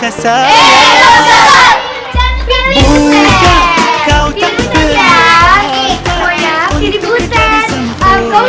kamu pilih butet kan